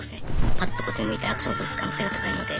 パッとこっち向いてアクション起こす可能性が高いので。